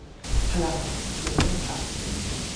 พลัง "เยลโลพลัส"